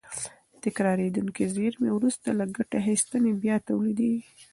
تکرارېدونکې زېرمې وروسته له ګټې اخیستنې بیا تولیدېږي.